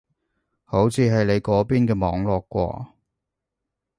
好似係你嗰邊嘅網絡喎